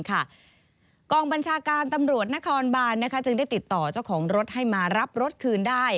กองบัญชาการตำรวจนครบานจึงได้ติดต่อเจ้าของรถให้มารับรถคืนได้